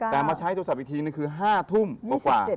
แต่มาใช้โทรศัพท์อีกทีนึงคือ๕ทุ่มกว่า